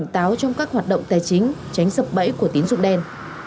táo trong các hoạt động tài chính tránh sập bẫy của tín dụng đen